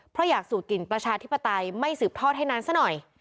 เพราะอยากสูดกลิ่นประชาธิปไตยไม่สืบทอดให้นานซะหน่อย